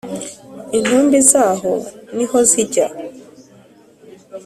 intumbi zaho ni ho zijya